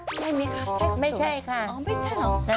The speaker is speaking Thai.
ใช่มั้ยคะใช่ค่ะขอส่วนไม่ใช่ค่ะอ๋อไม่ใช่เหรอ